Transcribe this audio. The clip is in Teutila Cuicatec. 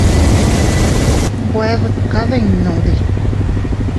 Güed kadinnudi.